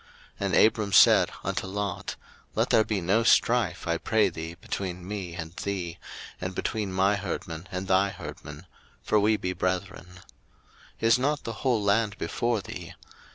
01:013:008 And Abram said unto Lot, Let there be no strife, I pray thee, between me and thee, and between my herdmen and thy herdmen; for we be brethren. 01:013:009 Is not the whole land before thee?